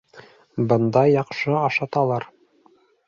Бында яҡшы ашаталар